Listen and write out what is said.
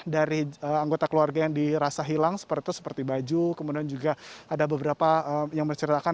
dari anggota keluarga yang dirasa hilang seperti itu seperti baju kemudian juga ada beberapa yang menceritakan